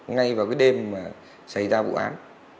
ngay vào cái đêm mà xảy ra vụ án